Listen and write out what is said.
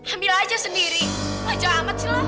ambil aja sendiri bajak amat silah